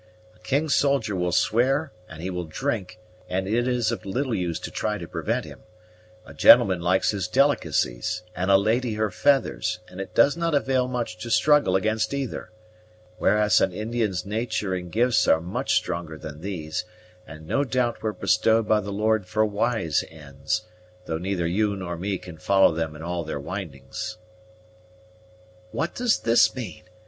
A king's soldier will swear and he will drink, and it is of little use to try to prevent him; a gentleman likes his delicacies, and a lady her feathers and it does not avail much to struggle against either; whereas an Indian's natur' and gifts are much stronger than these, and no doubt were bestowed by the Lord for wise ends, though neither you nor me can follow them in all their windings." "What does this mean?